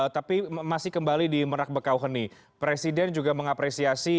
tapi masih kembali di merak bekauheni presiden juga mengapresiasi